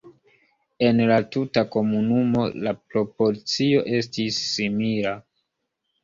En la tuta komunumo la proporcio estis simila.